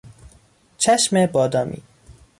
چشم بادامی